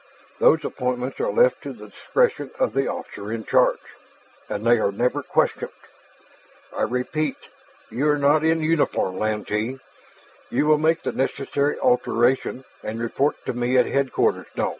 Those appointments are left to the discretion of the officer in charge, and they are never questioned. I repeat, you are not in uniform, Lantee. You will make the necessary alteration and report to me at headquarters dome.